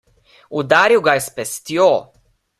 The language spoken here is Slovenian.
Udaril ga je s pestjo!